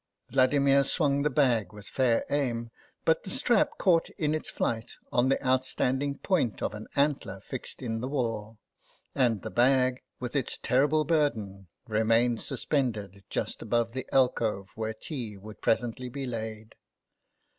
'' Vladimir swung the bag with fair aim ; but the strap caught in its flight on the out standing point of an antler fixed in the wall, and the bag, with its terrible burden, remained suspended just above the alcove where tea would presently be laid.